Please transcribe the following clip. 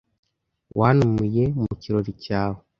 Wantumiye mu kirori cyawe,